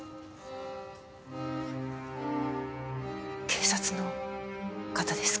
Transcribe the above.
警察の方ですか？